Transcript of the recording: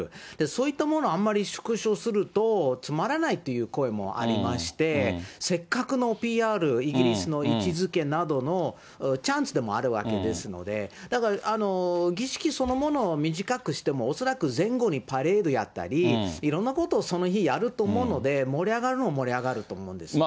そういったものをあんまり縮小するとつまらないっていう声もありまして、せっかくのＰＲ、イギリスの位置づけなどのチャンスでもあるわけですので、だから、儀式そのものを短くしても、恐らく前後にパレードやったり、いろんなことをその日やると思うので、盛り上がるのは盛り上がると思うんですよ。